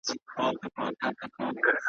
او په لار کي شاباسونه زنده باد سې اورېدلای .